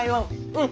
うん。